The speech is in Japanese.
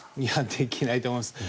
できないと思います。